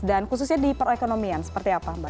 dan khususnya di perekonomian seperti apa mbak